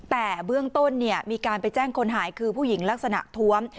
แต่เบื้องต้นมีการไปแจ้งคนหายคือผู้หญิงลักษณะท้วม